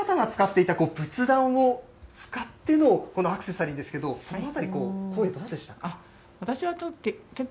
ほかの方が使っていた仏壇を使ってのこのアクセサリーですけれども、そのあたり、声はどうでしたか？